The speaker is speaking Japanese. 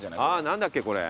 何だっけこれ。